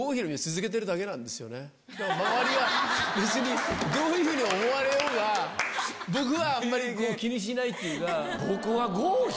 周りが別にどういうふうに思われようが僕はあんまり気にしないっていうか。